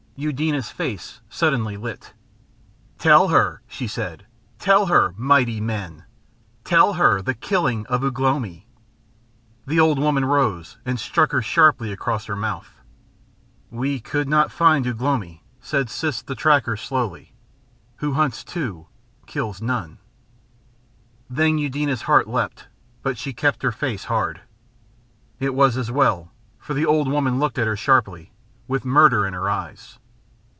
Eudena's face suddenly lit. "Tell her," she said. "Tell her, mighty men! Tell her the killing of Ugh lomi." The old woman rose and struck her sharply across her mouth. "We could not find Ugh lomi," said Siss the Tracker, slowly. "Who hunts two, kills none." Then Eudena's heart leapt, but she kept her face hard. It was as well, for the old woman looked at her sharply, with murder in her eyes.